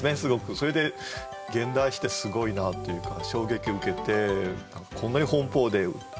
それで現代詩ってすごいなっていうか衝撃を受けてこんなに奔放でうたってんだ。